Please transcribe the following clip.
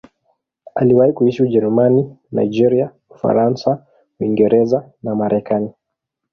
Aliwahi kuishi Ujerumani, Nigeria, Ufaransa, Uingereza na Marekani.